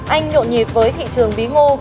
anh nhộn nhịp với thị trường bí ngô